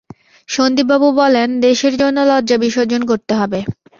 সন্দীপবাবু বলেন, দেশের জন্যে লজ্জা বিসর্জন করতে হবে।